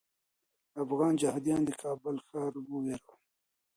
افغان جهاديان د کابل ښار ویرول.